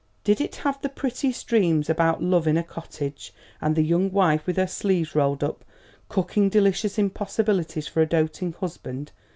"Did it have the prettiest dreams about love in a cottage, and the young wife with her sleeves rolled up cooking delicious impossibilities for a doting husband?